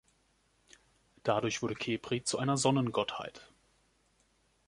Dadurch wurde Khepri zu einer Sonnengottheit.